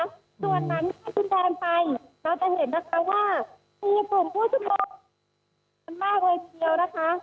ส่วนนั้นถึงทางไปเราจะเห็นนะคะว่ามีปุ่มผู้ชมโมชนมากเยอะนะคะ